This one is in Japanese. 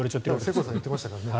世耕さんが言っていましたね。